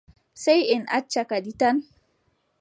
Sey en acca kadi tan.